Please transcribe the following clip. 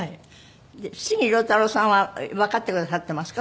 杉良太郎さんはわかってくださってますか？